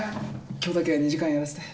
今日だけ２時間やらせて。